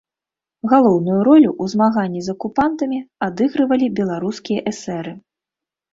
Галоўную ролю ў змаганні з акупантамі адыгрывалі беларускія эсэры.